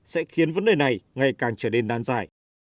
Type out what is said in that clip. sẽ khiến vấn đề này ngày càng trở nên đan dài